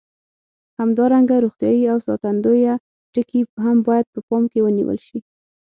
همدارنګه روغتیایي او ساتندوي ټکي هم باید په پام کې ونیول شي.